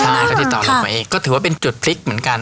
ใช่ก็ติดต่อเราไปเองก็ถือว่าเป็นจุดพลิกเหมือนกัน